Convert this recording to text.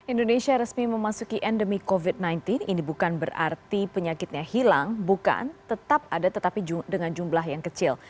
indonesia resmi memasuki endemi covid sembilan belas ini bukan berarti penyakitnya hilang bukan tetap ada tetapi dengan jumlah yang kecil